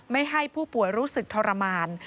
ไม่ให้ผู้ป่วยรู้สึกทรมาน